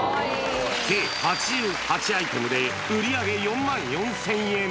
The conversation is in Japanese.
計８８アイテムで売り上げ４万４０００円。